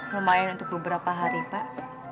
lumayan untuk beberapa hari pak